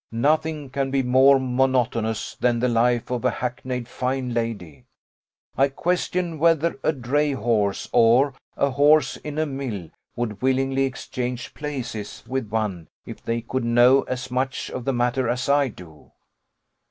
Nothing can be more monotonous than the life of a hackneyed fine lady; I question whether a dray horse, or a horse in a mill, would willingly exchange places with one, if they could know as much of the matter as I do.